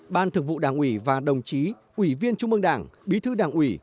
ban thường vụ đảng ủy và đồng chí ủy viên trung ương đảng bí thư đảng ủy